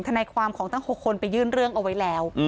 ทนายความของทั้ง๖คนไปยื่นเรื่องเอาไว้แล้ว